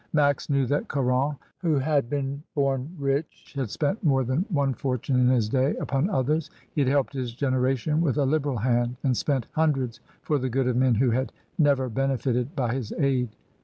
Max knew that Caron, who had been bom rich, had spent more than one fortune in his day upon others; he had helped his generation with a liberal hand, and spent hundreds for the good of men who had never benefited by his aid.